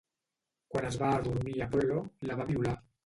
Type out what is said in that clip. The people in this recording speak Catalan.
Quan es va adormir Apol·lo la va violar.